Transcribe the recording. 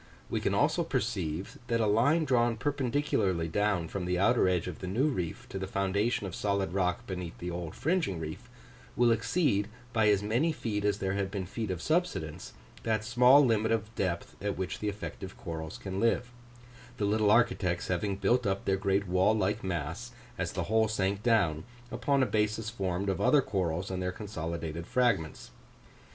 We can also perceive, that a line drawn perpendicularly down from the outer edge of the new reef, to the foundation of solid rock beneath the old fringing reef, will exceed by as many feet as there have been feet of subsidence, that small limit of depth at which the effective corals can live: the little architects having built up their great wall like mass, as the whole sank down, upon a basis formed of other corals and their consolidated fragments.